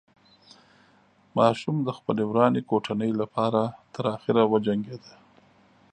ماشوم د خپلې ورانې کوټنۍ له پاره تر اخره وجنګېده.